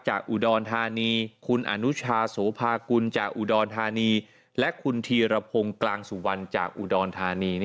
อุดรธานีคุณอนุชาโสภากุลจากอุดรธานีและคุณธีรพงศ์กลางสุวรรณจากอุดรธานี